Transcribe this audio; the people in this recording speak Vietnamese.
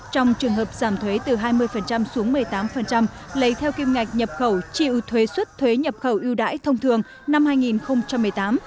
trong trường hợp giảm thuế từ hai mươi xuống một mươi tám lấy theo kim ngạch nhập khẩu chịu thuế xuất thuế nhập khẩu ưu đãi thông thường năm hai nghìn một mươi tám